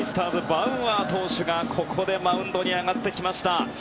バウアー投手がここでマウンドに上がってきました。